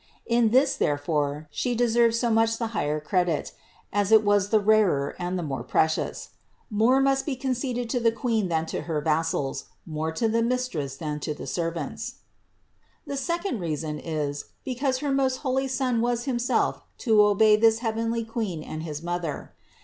In this, therefore, She deserved so much the higher credit, as it was the rarer and the more precious. More must be conceded to the Queen than to her vassals, more to the Mistress than to the servants. 20. The second reason is, because her most holy Son was Himself to obey this heavenly Queen and his Mother.